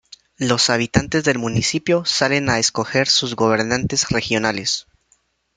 Los habitantes del municipio salen a escoger sus gobernantes regionales.